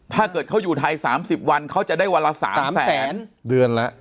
ถ้าเกิดเขาอยู่ไทยสามสิบวันเขาจะได้วันละสามแสนเดือนละ